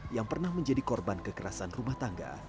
yang pernah menjadi korban kekerasan rumah tangga